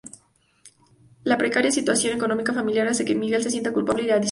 La precaria situación económica familiar hace que Miguel se sienta culpable y a disgusto.